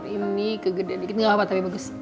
ini kegedean dikit gak apa apa tapi bagus